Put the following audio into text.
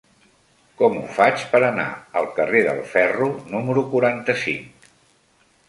Com ho faig per anar al carrer del Ferro número quaranta-cinc?